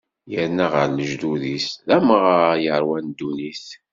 Yerna ɣer lejdud-is, d amɣar yeṛwan ddunit.